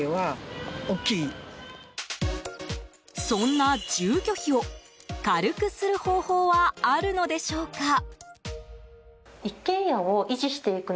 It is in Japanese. そんな住居費を軽くする方法はあるのでしょうか？